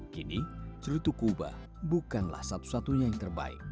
kini cerutu kuba bukanlah satu satunya yang terbaik